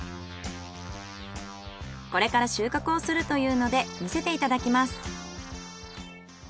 これから収穫をするというので見せていただきます。